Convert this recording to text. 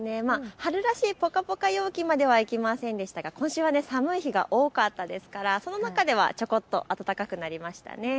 春らしいぽかぽか陽気まではいきませんでしたが今週は寒い日が多かったですからその中ではちょこっと暖かくなりましたよね。